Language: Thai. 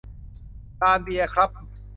ลานเบียร์ครับ